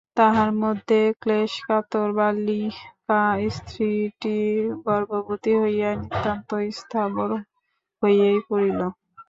তাহার মধ্যে ক্লেশকাতর বালিকা স্ত্রীটি গর্ভবতী হইয়া নিতান্ত স্থাবর হইয়াই পড়িল।